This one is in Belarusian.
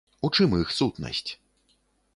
У чым іх сутнасць?